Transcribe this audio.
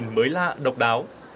một góc nhìn mới lạ độc đáo